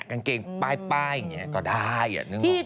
กางเกงป้ายอย่างนี้ก็ได้